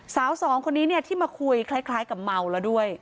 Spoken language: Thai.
สาวสองคนนี้เนี่ยที่มาคุยคล้ายกับเมาแล้วด้วย